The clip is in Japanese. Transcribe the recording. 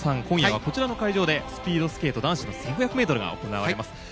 今夜はこちらの会場でスピードスケート男子の１５００ｍが行われます。